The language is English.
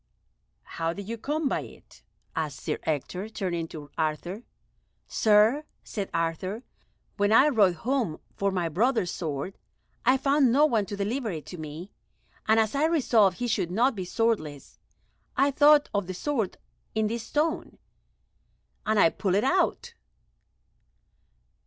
"How did you come by it?" asked Sir Ector, turning to Arthur. "Sir," said Arthur, "when I rode home for my brother's sword, I found no one to deliver it to me, and as I resolved he should not be swordless, I thought of the sword in this stone, and I pulled it out."